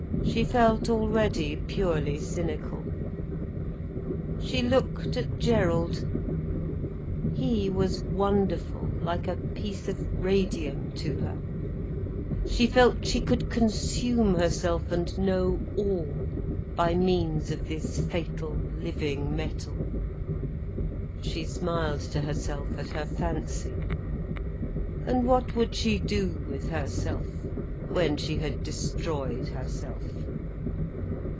She felt already purely cynical. She looked at Gerald. He was wonderful like a piece of radium to her. She felt she could consume herself and know all, by means of this fatal, living metal. She smiled to herself at her fancy. And what would she do with herself, when she had destroyed herself?